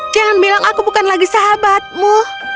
jangan bilang aku bukan lagi sahabatmu